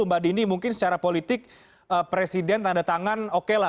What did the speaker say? mbak dini mungkin secara politik presiden tanda tangan oke lah